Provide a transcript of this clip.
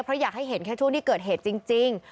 เพราะอยากให้เห็นแค่ช่วงที่เกิดเหตุจริง